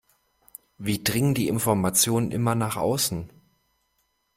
Wie dringen die Informationen immer nach außen?